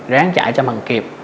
ráng chạy cho bằng kịp